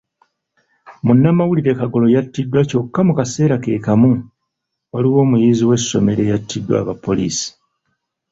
Munnamawulire Kagoro yattiddwa kyokka mu kaseera ke kamu, waliwo omuyizi w'essomero eyattiddwa aba poliisi